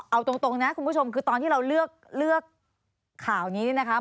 เอาตรงนะคุณผู้ชมคือตอนที่เราเลือกข่าวนี้เนี่ยนะคะ